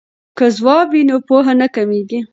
که ځواب وي نو پوهه نه کمېږي.